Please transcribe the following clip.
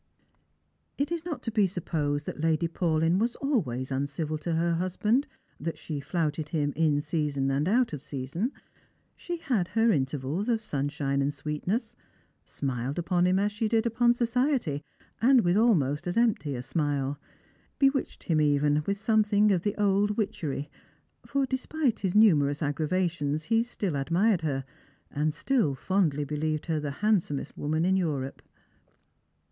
It is not to be supposed that Lady Paulyn was always uncivil to her husband, that she flouted him in season and out of season. She had her intervals of sunshine and sweetness ; smiled upon him as she did upon society, and with almost as empty a smile; bewitched him even with something of the old witchery ; for, despite his numerous aggi'avations, he still admired her, and still fondly beUeved her the handsomest woman in Europe.